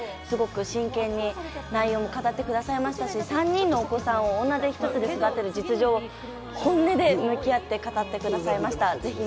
すごく真剣に内容を語ってくださいましたし、３人のお子さんを女手一つで育てる実情を本音で語ってくださいました。